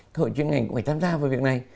các hội chuyên ngành cũng phải tham gia vào việc này